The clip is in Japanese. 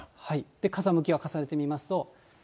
風向きを重ねてみますと。